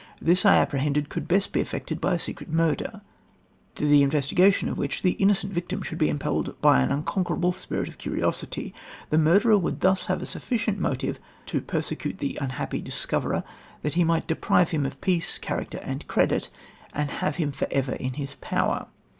This I apprehended could best be effected by a secret murder, to the investigation of which the innocent victim should be impelled by an unconquerable spirit of curiosity. The murderer would thus have a sufficient motive to persecute the unhappy discoverer that he might deprive him of peace, character and credit, and have him for ever in his power.